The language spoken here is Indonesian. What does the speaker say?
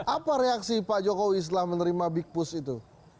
apa reaksi pak jokowi setelah menerima big push itu